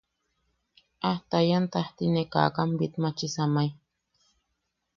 Ajtian taajti ne kaak aa bitmachi, samai.